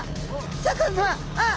シャーク香音さま。